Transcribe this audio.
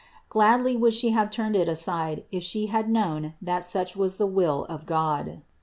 Gladly would She have turned it aside if She had known that such was the will of God.